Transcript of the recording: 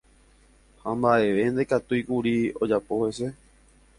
Ha mba'eve ndaikatúikuri ojapo hese.